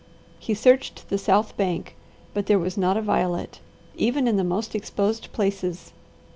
He searched the south bank, but there was not a violet, even in the most exposed places.